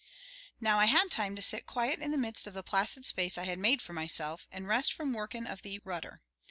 "Now I had time to sit quiet in the midst of the placid space I had made for myself, and rest from workin' of the rudder.